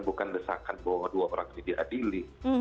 bukan desakan bahwa dua orang ini diadili